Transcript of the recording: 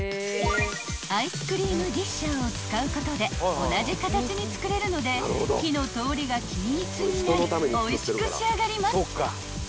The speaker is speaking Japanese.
［アイスクリームディッシャーを使うことで同じ形に作れるので火の通りが均一になりおいしく仕上がります］